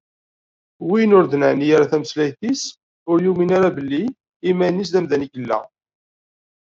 Win ur d-neɛni ara tameslayt-is, ur yumin ara belli iman-is d amdan i yella.